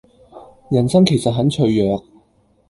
人生其實很脆弱